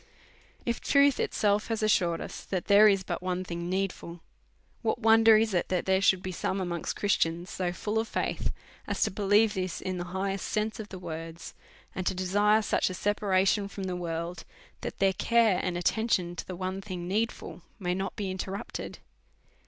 If truth itself hath assured us that there is but one thing needful, Avhat wonder is it that there should be some amongst Christians so full of faith as to believe this in the highest sense of the words, and to desire sucli a separation from the world, that their care and attention to the one thing needful may not be inter rupted